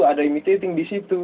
ada imitating di situ